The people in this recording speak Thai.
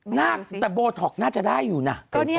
หน้าแต่โบท็อกน่าจะได้อยู่นะ